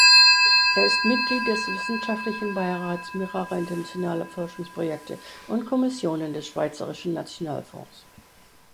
Er ist Mitglied des wissenschaftlichen Beirats mehrerer internationaler Forschungsprojekte und Kommissionen des Schweizerischen Nationalfonds.